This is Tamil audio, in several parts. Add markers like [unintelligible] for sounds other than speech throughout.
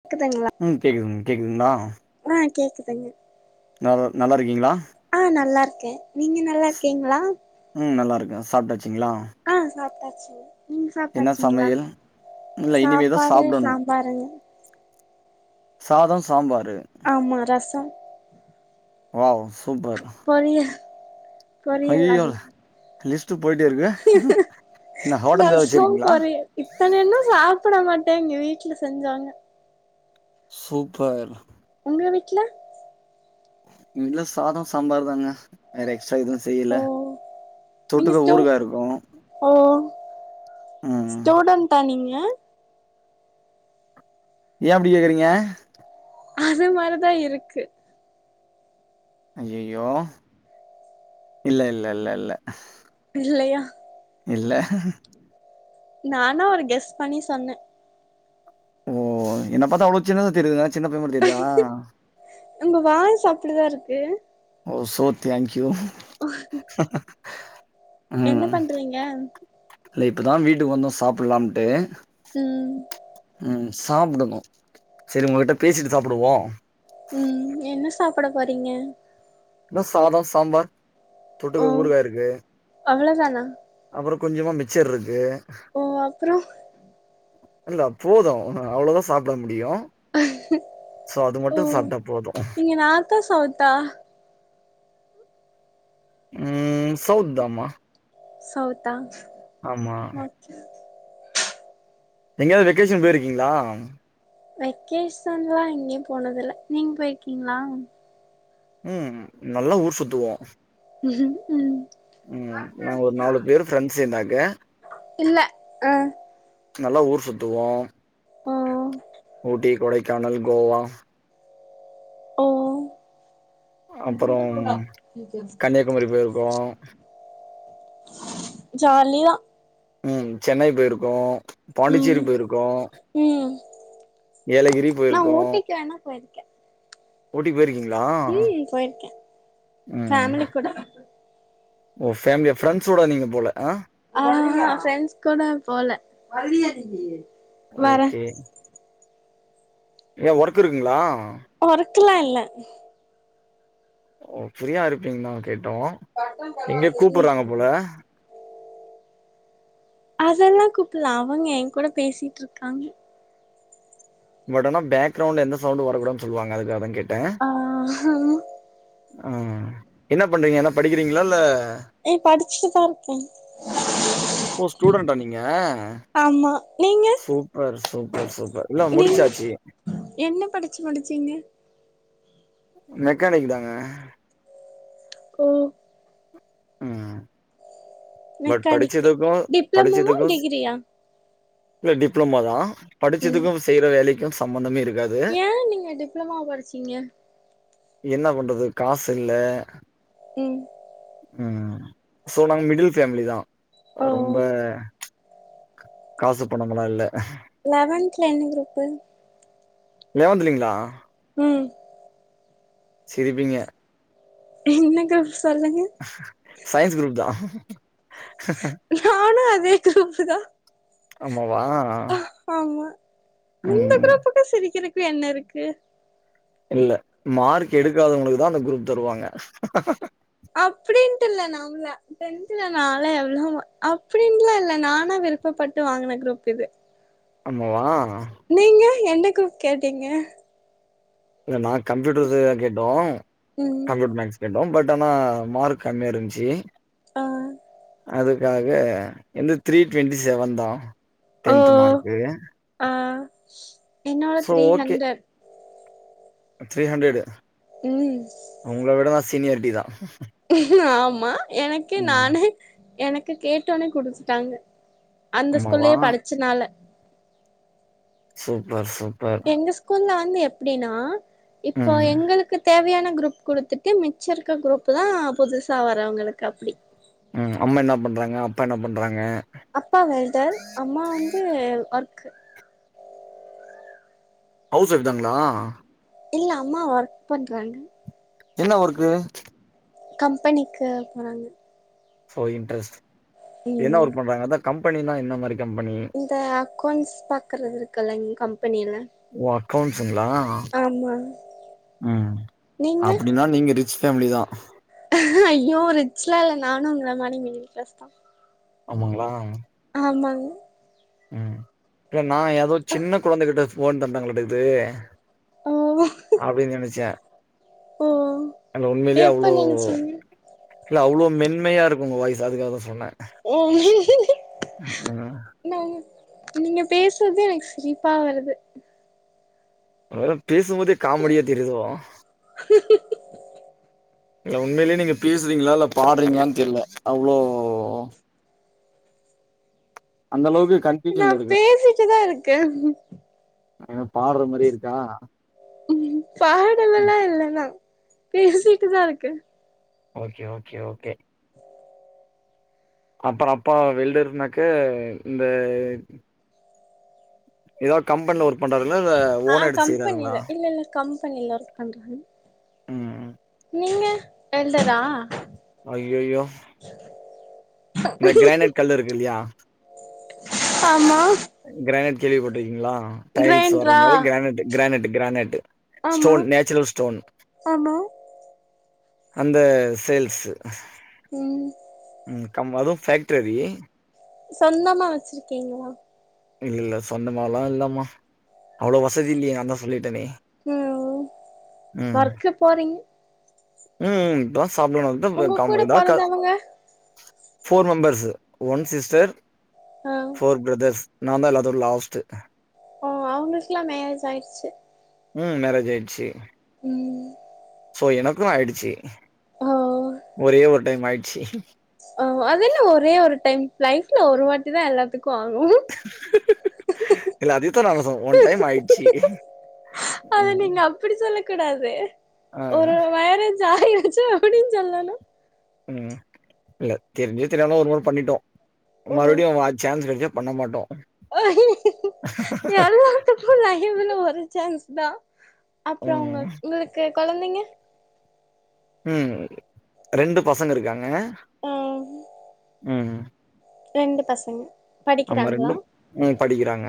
இருக்கு தங்க ம் கேட்குதுங்க கேட்குதுங்களா? ஆ கேக்குதுங்க ஆ நல்லா இருக்கீங்களா? ஆ நல்லா இருக்கேன். நீங்க நல்லா இருக்கீங்களா? ம் நல்லா இருக்க சாப்டாச்சுங்களா? ஆ சாப்டாச்சு நீ சாப்டாச்சீங்களா? சமையல் இல்ல இனிமேதா சாப்பாடு சாப்டணு சாம்பாரு சாதம் சாம்பாரு ஆமா ரசம் வாவ் சுப்பர் [unintelligible] லிஸ்ட் போயிட்டே இருக்கு என்ன ஹோட்டல் ஏதாது ரசம் வச்சிருகீங்களா? பொரியல் இத்தன இன்னு சாப்பட மாட்ட எங்க வீட்டுல செஞ்சாங்க சுப்பர் உங்க வீட்ல? சாதம் சாம்பார் தாங்க வேற எக்ஸ்ட்ரா எதும் செய்ல ஓ நீங்க ஸ்டு ஓ ம் ஸ்டூடன்டா நீங்க ஏன் அப்படி கேக்குறீங்க அது மாரிதான் இருக்கு அய்யயோ இல்ல இல்ல இல்ல இல்ல இல்லையா இல்ல நானா ஒரு கெஸ் பண்ணி சொன்னேன் ஓ என்ன பாத்தா அவ்வளோ சின்னதா தெரியுதுனா சின்ன பைய மாதிரி தெரியுதா உங்க வாய்ஸ் அப்டிதான் இருக்கு ஓ சோ தேங்க்யூ என்ன ம் பண்றீங்க இல்ல இப்பதான் வீட்டுக்கு வந்தோ சாப்டலாம்ட்டு ம் ம் சாப்பிடணும் சரி உங்ககிட்ட பேசிட்டு சாப்டுவோம் ம் என்ன சாப்பிட போறீங்க அதான் சாதம் சாம்பார் ஓ தொட்டுக்க ஊருகாய் இருக்கு அவ்ளோதானா அப்புறம் கொஞ்சமா மிச்சர் இருக்கு ஓ அப்புறம் இல்ல போதும் அவ்வளோதான் சாப்பிட முடியும் சோ அது மட்டும் சாப்டா போதும் அத்த சௌவ்த் ஆ ம் சௌத் தாமா சௌதா ஆமா சரி எங்கேயாவது வெக்கேஷன் போயிருக்கீங்களா வெக்கேஷன்ல்லாம் எங்கயு போனது இல்ல நீங்க போயிருக்கீங்களா உம் நல்லா ஊர் சுத்துவோம் உம் உம் உம் நாங்க ஒரு நாலு பேர் ஃரெண்ட்ஸ் இருந்தாங்க இல்ல ஹ்ம் நல்லா ஊர் சுத்துவோம் ஓ ஊட்டி கொடைக்கானல் கோவா ஓ ஒரு மாரி போயி ஜாலிதா ம் சென்னை போயிருக்கோம் பாண்டிச்சேரி ம் போயிருக்கோம் ம் ஏலகிரி நா போயிருக்கோம் ஊட்டிக்கு வேணா போயிருக்கே ஊட்டி போயிருக்கீங்களா ம் போயிருக்கே உம் ஃபேமிலி கூட ஓ ஃபேமிலிய ஃப்ரெண்ட்ஸோட நீங்க போல ஆ ஆ ஃண்டஸ் கூட போல வரே ஓகே ஏன் ஒர்க் இருக்குங்களா? ஒர்க்லாம் இல்ல ஓ ஃப்ரீயா இருப்பீங்களான்னு கேட்டோம் எங்கயோ கூப்பிடுறாங்க போல அதெல்லாம் கூப்பிடலாம் அவங்க என் கூட பேசிட்டு இருக்காங்க பட் ஆனா பேக்ரவுண்ட்ல எந்த சவுண்ட் உம் வர கூடாதுனு சொல்லுவாங்க அதுகாக தான் கேட்ட ஆ ஹ ஆ என்ன பண்றீங்க என்ன படிக்கிறீங்களா இல்ல உம் படிச்சுட்டுதான் இருக்கேன் ஓ ஸ்டூடெண்டட்டா நீங்க நீங்க சூப்பர் சூப்பர் சூப்பர் இல்ல நீங்க முடிச்சாச்சு என்ன படிச்சு முடிச்சு மெக்கானிக் தாங்க ஓ உம் பட் மெக்கானிக்கு படிச்சதுக்கும் டிப்ளமோவா படிச்சதுக்கும் டிகிரியா இல்ல டிப்ளமா தான் படிச்சதுக்கும் செய்யற வேலைக்கும் சம்பந்தமே இருக்காது ஏன் நீங்க டிப்ளமா படிச்சீங்க என்ன பண்றது காசு இல்ல ம் உம் சோ நாங்க மிடில் ஃபேமிலி தான் ஓ ரொம்ப காசு பனம்லாம் இல்ல லெவன்த்ல என்ன குரூப்பு ஏமாந்துலலைங்களா உம் சிரபங்க என்னக்கு சொல்லுங்க சயன்ஸ் குரூப் தான் நானும் அதுே குரூப் தா ஆமாவா ஆமா அந்த ம் குரூப்புக்கு சிரிக்கிறதுக்கு என்ன இருக்கு இல்ல மார்க் எடுக்காதவங்களுக்கு தான் அந்த குரூப் தருவாங்க அப்படின்னுட்டு இல்ல நாமல டென்தல நால எவ்வளவு அப்படின்னுல இல்ல நானா விருப்பப்பட்டு வாங்கின குரூப் இது ஆமாவா நீங்க என்ன குரூப் கேட்டீங்க இல்லை நான் கம்ப்யூட்டர் கேட்டோம் ம் மேக்ஸ் கேட்டும் பட் ஆனா மார்க் கம்மியா இருந்துச்சு ஆ அது அதுக்காக வந்து த்ரீ டு்வெண்ட்டி செவன் தான் ஓ டென்த் மார்க்கு ஆ என்னோட so three okay hundred three hundred ம் உங்கள விட நான் சீனியரிட்டி தான் ஆமா எனக்கு நானே எனக்கு கேட்டோனே குடுத்துட்டாங்க அந்த அம்மாவா ஸ்கூல்லேயே படிச்சனால சூப்பர் சூப் எங்க ஸ்கூல்ல வந்து எப்டினா இப்போ ம் எங்களுக்கு தேவையான குரூப் குடுத் து மிச்ச இருக்க குரூப் தான் புதுசா வரவங்களுக்கு அப்படி ம் அம்மா என்ன பண்றாங்க அப்பா என்ன பண்றாங்க அப்பா வெல்டர் அம்மா வந்து ஒர்க்கு ஹவுஸ் ஒய்ஃப் தாங்களா இல்ல அம்மா ஒர்க் பண்றாங்க என்ன வர்க் கம்பெனிக்கு போறாங்க ஒ இன்ட்ரெஸ்ட் என்ன ம் ஒர்க் பண்றாங்க அதான் கம்பெனி தான் என்ன மாதிரி இந்த அக்கௌண்ட்ஸ் பாக்கறது இருக்குல்ல எங்க கம்பெனியில ஓ அக்கவுன்ஸங்களா ம் நீங்க அப்படின்னா நீங்க ரிச்ச ஃபேமிலி தான் ஐயோ ரிச்லா இல்ல நானும்ங்க மாரி கஷ்டம் ஆமாங்களா ஆமாங்க உம் இல்ல நான் ஏதோ சின்ன குழந்தைகிட்ட போன் தட்டாங்களது ஓ அப்டின்னு நெனச்ச ஓ அந்த உண்மையிலயே எப்ப அவ்ளோ நெனச்சீங்க இல்ல அவ்ளோ மென்மைய இருக்கு உங்க வாய்ஸ் அதுக்காகதா சொன்னே ஓ ம் நா நீங்க பேசறதே எனக்கு சிரிப்பா வருது ஒருவேள பேசும்போதே காமெடியா தெரியுதோ இல்ல உண்மையிலயே நீங்க பேசுறீங்களா இல்ல பாடுறீங்களான்னு தெர்ல அவ்ளோ அந்தளவுக்கு கண் நா பேசிட்டுதா இருக்கே ஏன்ன பாடுற மாரியே இருக்கா உம் பாடலல்லா இல்ல நா பேசிட்டு தா இருக்கேன் ஓகே ஓகே ஓகே அப்புற அப்பா வெல்டர்னாக்க இந்த ஏதாது கம்பனில ஒர்க் பண்றாருங்கள இல்ல ஓனா ஆஹ் எடுத்து செய்றாருங்களா? கம்பெனில இல்ல இல்ல கம்பெனில ஒர்க் பண்றாங்க ம். நீங்க வெல்டர்ரா அய்யயோ இந்த கிரானைட் கல்லு இருக்கு இல்லையா ஆமா கிரானைட் கேள்வி போட்டிருக்கீங்களா? டைல்ஸ் வர்ற கிரைண்ட்ரா மாரி கிரானேட்டு கிரானேட்டு கிரானேட்டு ஆமா ஸ்டோன் நேச்சுரல் ஸ்டோன் ஆமா அந்த சேல்ஸ்சு ம் ம் கம் அதுவு ஃபேக்ட்ரி சொந்தமா வெச்சிருக்கீங்களா? இல்ல இல்ல சொந்தமாலா இல்லமா அவ்ளோ வசதி இல்லையே நா தான் சொல்லிட்டேனே ம் உம் ஒர்க்கு போறீங்க ம் ம் தோச சாப்பட இதான் உங்க காம் கூட இதான் க பொறந்தவங்க ஃபோர் மெம்பர்ஸ் ஒன் சிஸ்டர் ஆ போர் பிரதர்ஸ் நான் தான் எல்லோரும் லாஸ்ட் ஓ அவங்களுக்குல்லாம் மேரேஜ் ஆயிடுச்சு ம் மேரேஜ் ஆயிடுச்சு ம் சோ எனக்கும் ஆயிடுச்சு ஓ ஒரே ஒரு டைம் ஆயிடுச்சு ஆ அது என்ன ஒரே ஒரு டைம் லைஃப்ல ஒரு வாட்டி தான் எல்லாத்துக்கும் ஆகும் இல்ல அதத்தான நானும் சொன்னேன் ஒன் டைம் ஆயிடுச்சு உம் அப்படி சொல்ல கூடாது ஒரு வயற ஜாயி வச்சு அப்படின்னு சொல்லனும் ம் இல்ல தெரிஞ்சோ தெரியாமாலோ ஒரு முறை பண்ணிட்டோ ம் மறுபடியு சான்ஸ் கிடைச்சா பண்ண மாட்டோம் எல்லாத்துக்கு லைஃப்ல ஒரு சான்ஸ் தான் அப்புறம் உங்க ம் உங்களுக்கு குழந்தைங்க ம் ரெண்டு பசங்க இருக்காங்க ஆ ம் ரெண்டு பசங்க அம்மா படிக்கிறாங்களா ரெண்டும் ம் படிக்கிறாங்க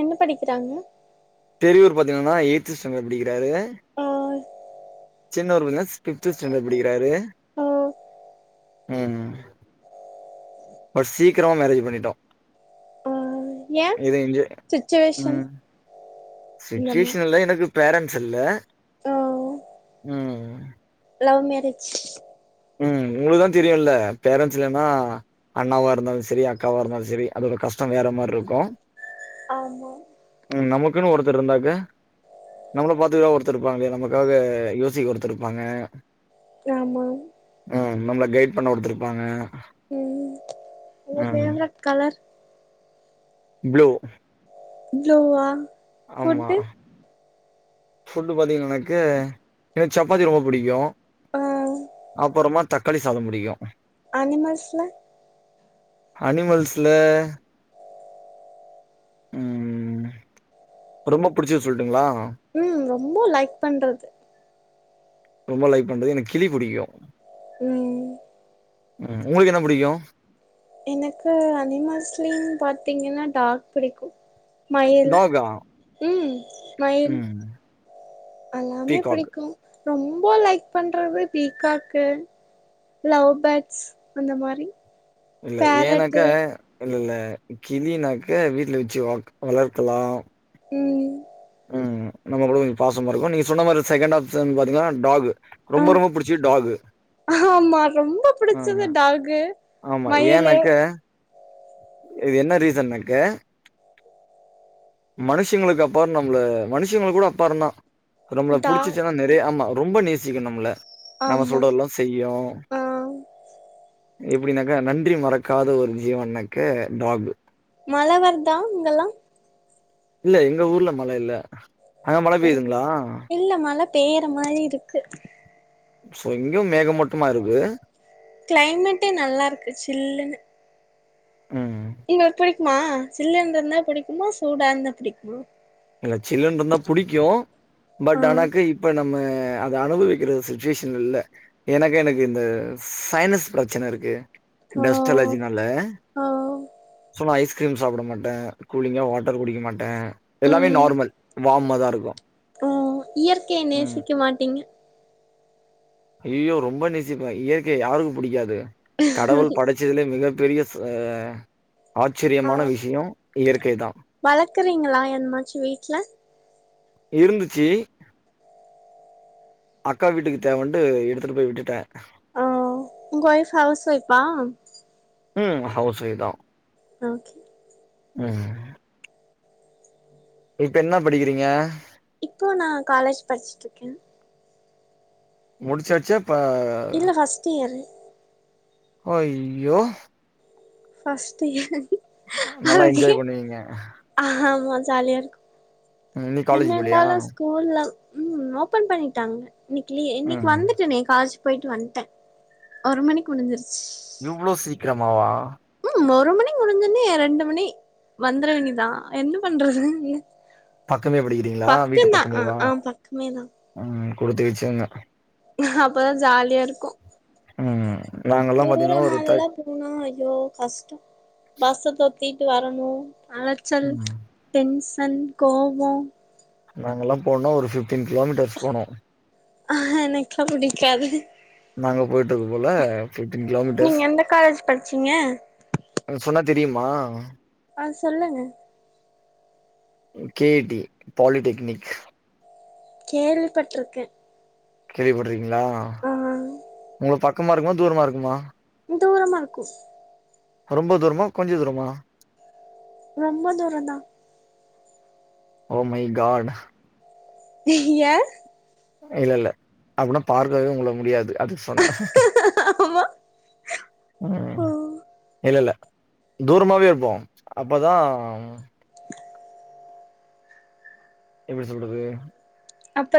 என்ன படிக்கிறாங்க? தெரியூர் பாத்தீங்கன்னா எய்து ஸ்டாண்டர்ட் படிக்கிறாரு ஆ சின்னவரு பா ஃபிஃப்த் ஸ்டாண்டர்ட் படிக்கிறாரு ஆ உம் உம் பட் சீக்கிரமா மேரேஜ் பண்ணிட்டோ ஆ ஏ எது என்ஜ உம் சுச்சுவேஷன் இந்த சுச்சுவேஷன் எல்லாம் எனக்கு பேரண்ட்ஸ் இல்ல ஹ ம் லவ் மேரேஜ் உம் உங்களுக்குதான் தெரியும்ல பேரன்ட்ஸ் இல்லனா அண்ணாவா இருந்தாலும் சரி அக்காவா இருந்தாலும் சரி அதோட கஷ்டம் வேற மாதிரி இருக்கும் ஆமா உம் நமக்குன்னு ஒருத்தர் இருந்தாக்க நம்மள பாத்துக்கா ஒருத்த இருப்பாங்களையா நமக்காக யோசிக்க ஒருத்தருப்பாங்க ஆமா ஆஹ் நம்மள கைட் பண்ண கொடுத்துருப்பாங்க உம்வரட கலர் ப்ளூ ப்ளூவா ஆமா ஃபுட்டு ஃபுட்டு் பாத்தீங்கான எனக்கு எனக்கு சப்பாத்தி ரொம்ப பிடிக்கு ஆ அப்புறமா தக்காளி சாத பிடிக்கு ஆனி மாஸ்ல அனிமல்ஸ்ல உம் ரொம்ப புடிச்சது சொல்ட்டுங்ளா உம் ரொம்ப லைக் பண்றது ரொம்ப லைக் பண்றது எனக்கு கிளி பிடிக்கு உம் உம் உங்களுக்கு என்ன பிடிக்கு எனக்கு அனிமல்ஸ்லிங் பாத்தீங்கன்னா டாக் பிடிக்கு மயில் டாகா? உம் மயில் ம் எல்லாமே பீகாக். பிடிக்கு ரொம்ப லைக் பண்றது பீகாக்கு லவ் பேட்ஸ் அந்த மாரி இல்ல பேரட்டு ஏனாக்கா இல்ல இல்ல கிழினாக்க வீட்ல வச்சு வளக் வளர்கலாம் உம் உம் நம்ம கூட கொஞ்சோ பாசமா இருக்கு நீங்க சொன்ன மாரி செகண்ட் ஆப்ஷன் பாத்தீங்கன்னா டாக் ஆ ரொம்ப ரொம்ப புடிச்சது டாகு ஆமா ரொம்ப அ புடிச்சது டாகு ஆமா. மயிலு ஏன்னாக்க இது என்ன ரீசன் எனக்கு மனுஷங்களுக்கு அப்பறோ நம்பள மனுஷங்களுக்கு கூட அப்பறந்தான் ரொம்ப டா புடிச்சிச்சுன்னா நெறைய ஆமா ரொம்ப நேசிக்கு நம்மல நம்ம ஆமா சொல்றதெல்லா செய்யு ஆ எப்படின்னாக்கா நன்றி மறக்காத ஒரு ஜீவன்னாக்க டாக் மழவருதா அங்கெல்லா இல்ல எங்க ஊர்ல மழ இல்ல அங்க மழ ஓ பெய்யுதுங்களா? இல்ல மழ பேயற மாரி இருக்கு இங்கயு மேகமூட்டமா இருக்கு கிளைமேட் நல்லா இருக்கு சில்லுன்னு ம் எங்களுக்கு புடிக்குமா சில்லனு இருந்தா பிடிக்குமா சூடா இருந்தா புடிக்குமா இல்ல சில்லுன் இருந்தா பிடிக்கு ஆ பட் ஆனாக்கு இப்ப நம்ம அத அனுபவிக்கிற சுச்சுவேஷன்ல இல்ல எனக் எனக்கு இந்த சயின்ஸ் பிரச்சன இருக்கு ஓ டஸ்டலர்ஜி நால ஓ சும்மா ஐஸ் ஐஸ்க்ரீம் சாப்ட மாட்டே கூலிங்கா வாட்டர் குடிக்க மாட்டே எல்லாமே நார்மல் வார்மா தா இருக்கு அ இயற்கைய ம் நேசிக்க மாட்டிங்க ஐயோ ரொம்ப நேசிப்பே இயற்கைய யாருக்கு பிடிக்காது கடவுள் படைச்ச துல மிகப்பெரிய ஆ ஆச்சரியமான விஷய இயற்கை தா வளக்குறீங்களா எந்மாச்சு வீட்ல இருந்துச்சு அக்கா வீட்டுக்கு தேவண்ட்டு எடுத்துட்டு போய் விட்டுட்டே ஓ உங்க ஃவைப் ஹவுஸ் ஃவைப்பா உம் ஹவுசே தா ஓகே ஆ இப்ப என்ன படிக்கிறீங்க இப்போ நா காலேஜ் படிச்சுட்டு இருக்கே முடிச்சாச்சு பா இல்ல ஃபஸ்ட் இயர் ஐயோ ஃபஸ்ட் இயர் நல்லா ஓகே என்ஜாய் பண்ணுவீங்க ஆமா ஜாலியா இருக்கு நீ என்ன காலேஜ் போலியா இருந்தாலு ஸ்கூல்ல ம் ஓபன் பண்ணிட்டாங்க இன்னைக்கு இன்னைக்கு ம் வந்துட்டனே காலேஜ் போய்ட்டு வந்ட்டே ஒரு மணிக்கு முடிஞ்சிருச்சு இவ்ளோ சீக்கிரமாவா உம் ஒரு மணி முடிஞ்ச உடனே ரெண்டு மணி வந்திர வேண்டிதா என்ன பண்றது பக்கமே படிக்கிறீங்களா பக்கந்தா ஆ ஆ பக்கமே தா உம் குடுத்து வச்சவங்க அப்பதா ஜாலியா இருக்கு உம் தூரமா அதெல்லா போனு அய்யோ கஷ்டோ பஸ் தொத்திட்டு வரணு அலைச்சல் ம் டென்சன் கோபோ நாங்களாம் போனா ஒரு பிஃப் [unintelligible] ட்ரஸ் பண்ணுவோ எனக்குலா புடிக்காது நாங்க போயிட்டு இருக்கோல பிஃப்டீன் நீங்க கிலோமீட்டர்ஸ் எந்த காலேஜ் படிச்சீங்க அத சொன்னா தெரியுமா ஆ சொல்லுங்க கே ஐ டி பாலிடெக்னிக் கேள்விப்பட்ருக்கே கேள்விப்பட்றிக்கீங்களா உங்களுக்கு பக்கமா இருக்குமா தூரமா இருக்குமா தூரமா இருக்கு ரொம்ப தூரமா கொஞ்ச தூரமா ரொம்ப தூரந் தா ஓ மை காட் நீ யார் இல்ல இல்ல அப்டின்னா பார்க்கவே உங்கள முடியாது அதுக்கு சொன்னே ஆமா ஓ இல்லல்ல தூரமாவே இருப்போ அப்பதா எப்டி சொல்றது அப்பதா